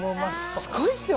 すごいですよ。